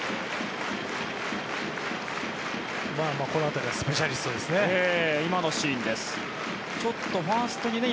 この辺りはスペシャリストですね。